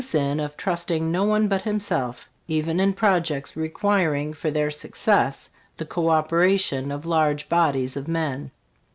sin of trusting no one but himself, even in projects requiring for their suc cess the co operation of large bodies of men.